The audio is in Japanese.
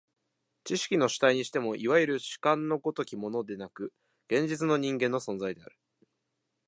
知識の主体にしても、いわゆる主観の如きものでなく、現実の人間の存在である。